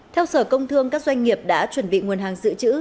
theo sở công thương các doanh nghiệp đã chuẩn bị nguồn hàng dự trữ